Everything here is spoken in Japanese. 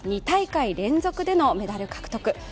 ２大会連続でのメダル獲得。